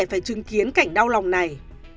phải chứng kiến cảnh đau lòng này